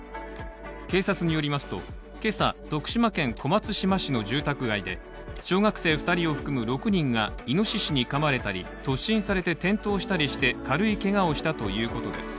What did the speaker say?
警察によりますと、今朝徳島県小松島市の住宅街で小学生２人を含む６人がいのししにかまれたり突進されて転倒したりして軽いけがをしたということです。